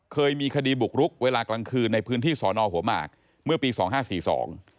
เคยมีคดีบุกรุกเวลากลางคืนในพื้นที่สอนอหัวหมากเมื่อปีสองห้าสี่สอง